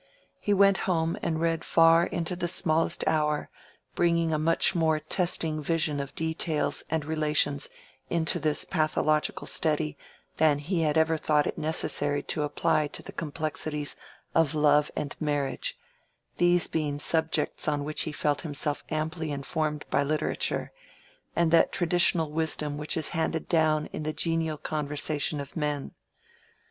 He went home and read far into the smallest hour, bringing a much more testing vision of details and relations into this pathological study than he had ever thought it necessary to apply to the complexities of love and marriage, these being subjects on which he felt himself amply informed by literature, and that traditional wisdom which is handed down in the genial conversation of men.